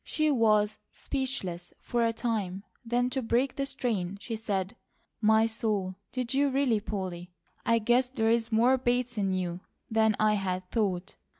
She was speechless for a time, then to break the strain she said: "My soul! Did you really, Polly? I guess there is more Bates in you than I had thought!"